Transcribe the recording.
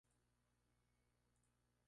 Es tradicional añadir como condimento.